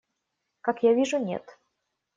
Как я вижу, нет.